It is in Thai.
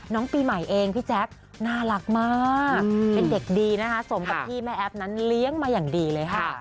น้องปีใหม่เองพี่แจ๊คน่ารักมากเป็นเด็กดีนะคะสมกับที่แม่แอฟนั้นเลี้ยงมาอย่างดีเลยค่ะ